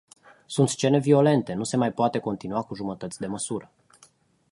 Sunt scene violente, nu se mai poate continua cu jumătăți de măsură.